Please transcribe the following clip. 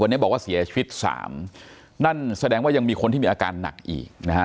วันนี้บอกว่าเสียชีวิตสามนั่นแสดงว่ายังมีคนที่มีอาการหนักอีกนะฮะ